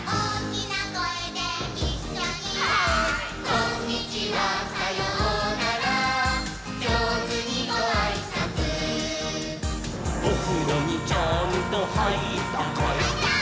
「こんにちはさようならじょうずにごあいさつ」「おふろにちゃんとはいったかい？」はいったー！